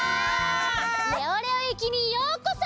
レオレオ駅にようこそ！